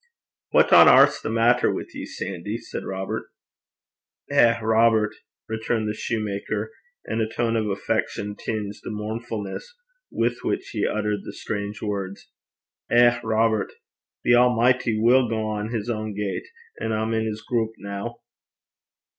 'What on airth's the maitter wi' ye, Sandy?' said Robert. 'Eh, Robert!' returned the shoemaker, and a tone of affection tinged the mournfulness with which he uttered the strange words 'eh, Robert! the Almichty will gang his ain gait, and I'm in his grup noo.'